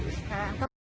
cảm ơn bạn lắm